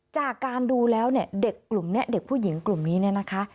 จากการดูแล้วเนี่ยเด็กกลุ่มนี้เด็กผู้หญิงกลุ่มนี้เนี่ยนะคะ